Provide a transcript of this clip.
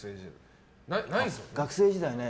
学生時代ね。